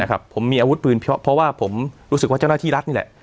ผมมีอาวุธปืนเพราะว่าผมรู้สึกว่าเจ้าหน้าที่รัฐนี่แหละ